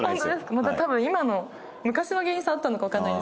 また多分今の昔の芸人さんあったのかわからないですけど。